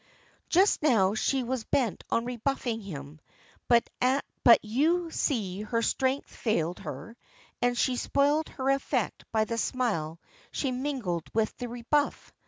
Just now she was bent on rebuffing him, but you see her strength failed her, and she spoiled her effect by the smile she mingled with the rebuff.